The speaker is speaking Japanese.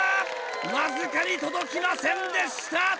わずかに届きませんでした！